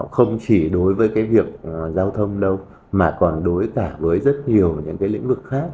không chỉ đối với cái việc giao thông đâu mà còn đối cả với rất nhiều những cái lĩnh vực khác